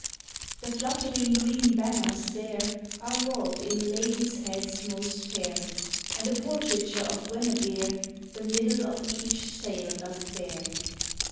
The fluttering green banners there Are wrought with ladies' heads most fair, And a portraiture of Guenevere The middle of each sail doth bear.